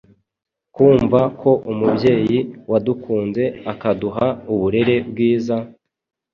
kumva ko umubyeyi wadukunze akaduha uburere bwiza,